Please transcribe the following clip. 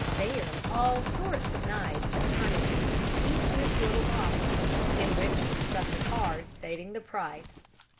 There all sorts of knives confronted him, each in its little box, in which was stuck a card stating the price, $1.